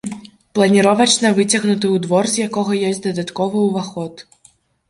Планіровачна выцягнуты ў двор, з якога ёсць дадатковы ўваход.